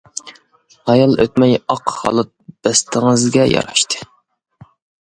ھايال ئۆتمەي ئاق خالات، بەستىڭىزگە ياراشتى.